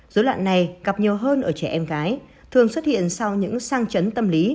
dối loạn này gặp nhiều hơn ở trẻ em gái thường xuất hiện sau những sang chấn tâm lý